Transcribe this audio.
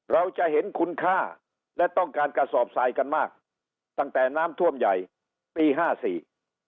เราจะเห็นคุณค่าและต้องการกระสอบทรายกันมากตั้งแต่น้ำท่วมใหญ่ปีห้าสี่